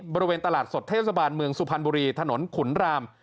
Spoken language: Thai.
บริเวณตลาดสดเทศบาลเมืองสุพรรณบุรีถนนขุนราม